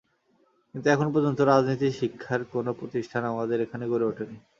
কিন্তু এখন পর্যন্ত রাজনীতি শিক্ষার কোনো প্রতিষ্ঠান আমাদের এখানে গড়ে ওঠেনি।